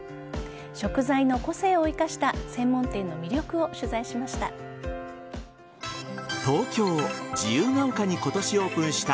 食材の個性を生かした専門店の魅力を取材しました。